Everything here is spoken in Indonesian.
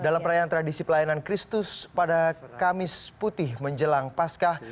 dalam perayaan tradisi pelayanan kristus pada kamis putih menjelang pascah